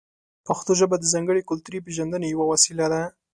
پښتو ژبه د ځانګړې کلتوري پېژندنې یوه وسیله ده.